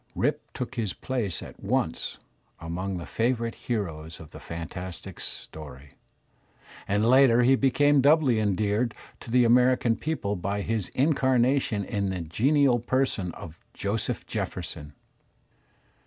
Rip took his place at once among the favourite heroes of fantastic story, and later he became doubly endeared to the American people by his incarnation in the genial person of Joseph Jefferson.